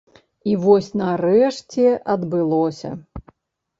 І вось нарэшце адбылося!